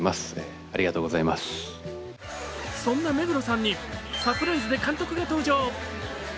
そんな目黒さんにサプライズで監督が登場。